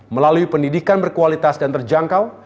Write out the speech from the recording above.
melalui pendidikan berkualitas dan terjangkau